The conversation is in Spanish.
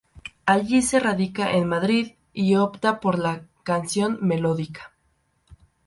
Allí se radica en Madrid y opta por la canción melódica.